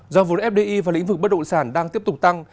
do vốn fdi và lĩnh vực bất động sản đang tiếp tục tăng